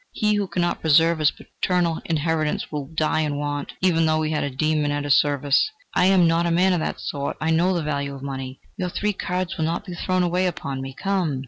He who cannot preserve his paternal inheritance, will die in want, even though he had a demon at his service. I am not a man of that sort; I know the value of money. Your three cards will not be thrown away upon me. Come!"...